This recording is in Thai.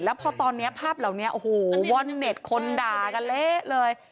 แล้วพอตอนนี้ภาพเหล่านี้โอ้โหว่อนเน็ตคนด่ากันเละเลย